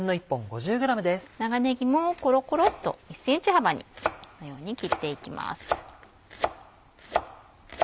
長ねぎもコロコロっと１ｃｍ幅にこのように切っていきます。